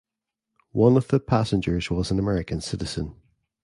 One of the passengers was an American citizen.